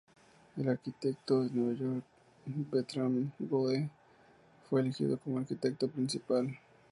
El arquitecto de Nueva York Bertram Goodhue fue elegido como arquitecto principal.